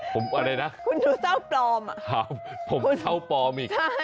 ผมอะไรนะผมเศร้าปลอมอ่ะใช่